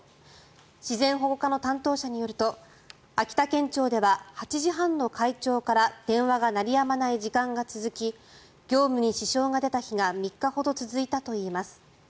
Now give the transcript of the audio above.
自然保護課の担当者によると秋田県庁では８時半の開庁から電話が鳴りやまない時間が続き業務に支障が出た日が３日ほど続いたといいます。